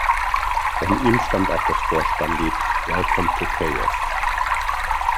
Von ihm stammt auch das Vorspannlied "Welcome to Chaos".